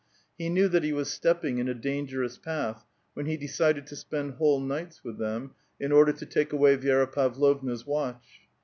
He knew that he was step ping in a dangerous path, when he decided to spend whole nights with them, in order to take away V'^ra Pavlovna's watch.